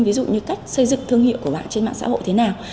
ví dụ như cách xây dựng thương hiệu của bạn trên mạng xã hội thế nào